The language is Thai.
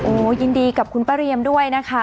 โอ้โหยินดีกับคุณป้าเรียมด้วยนะคะ